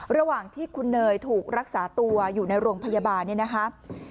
ระหว่างที่คุณเนยถูกรักษาตัวอยู่ในโรงพยาบาลเนี่ยนะคะ